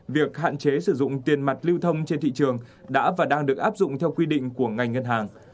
việc hạn chế sử dụng tiền mặt lưu thông trên thị trường đã và đang được áp dụng theo quy định của ngành ngân hàng